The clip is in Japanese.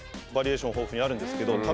バリエーション豊富にあるんですけど